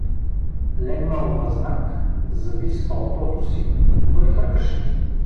Легнал възнак, завит с палтото си, той хъркаше.